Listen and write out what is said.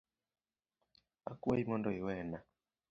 Akwayi mondo iwena.